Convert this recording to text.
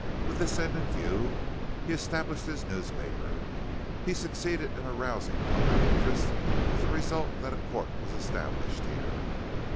With this end in view he established his newspaper. He succeeded in arousing public interest with the result that a court was established here."